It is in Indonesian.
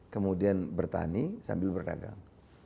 kemudian bertani sambil berdagang